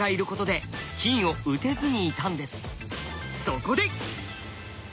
そこで！